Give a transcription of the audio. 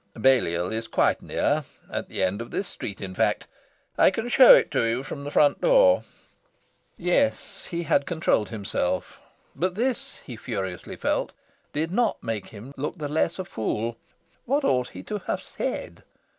"Balliol is quite near. At the end of this street in fact. I can show it to you from the front door." Yes, he had controlled himself. But this, he furiously felt, did not make him look the less a fool. What ought he to have SAID?